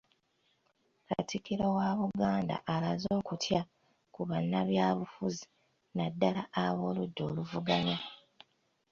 Katikkiro wa Buganda alaze okutya ku bannabyabufuzi naddala ab'oludda oluvuganya